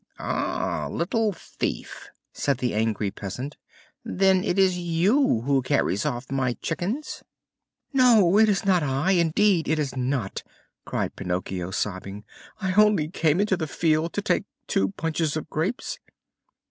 "Ah, little thief," said the angry peasant, "then it is you who carries off my chickens?" "No, it is not I; indeed it is not!" cried Pinocchio, sobbing. "I only came into the field to take two bunches of grapes!"